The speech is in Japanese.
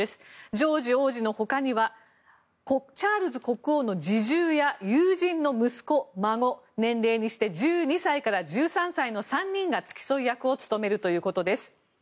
ジョージ王子の他にはチャールズ国王の侍従や友人の息子、孫年齢にして１２歳から１３歳の３人が付き添い役を務めるということです。